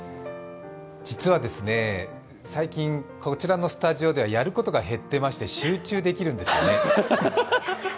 実はですね、最近こちらのスタジオではやることが減ってまして集中できるんですね。